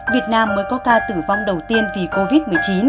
việt nam mới có ca tử vong đầu tiên vì covid một mươi chín